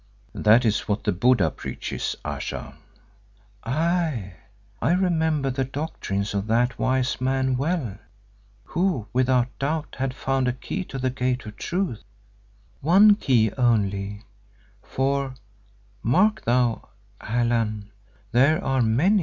"That is what the Buddha preaches, Ayesha." "Aye, I remember the doctrines of that wise man well, who without doubt had found a key to the gate of Truth, one key only, for, mark thou, Allan, there are many.